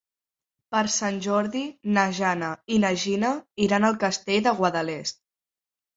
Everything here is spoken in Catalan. Per Sant Jordi na Jana i na Gina iran al Castell de Guadalest.